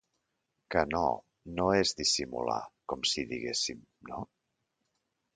Que no- no és dissimular, com si diguéssim, no?...